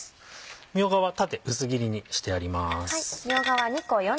みょうがは縦薄切りにしてあります。